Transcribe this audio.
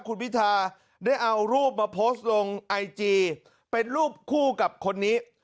คุณพิธาได้เอารูปมาโพสต์ลงไอจีเป็นรูปคู่กับคนนี้